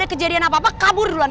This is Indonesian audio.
kalau apa apa kabur duluan